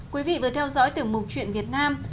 quý vị vừa theo dõi tiểu mục chuyện việt nam